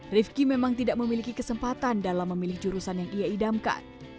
rifki memang tidak memiliki kesempatan dalam memilih jurusan yang ia idamkan